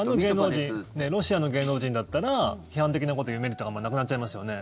ロシアの芸能人だったら批判的なことを言うメリットがなくなっちゃいますよね。